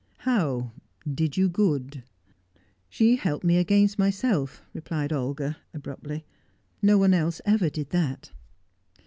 "How, did you good?" "She helped me against myself," replied Olga abruptly. "No one else ever did that."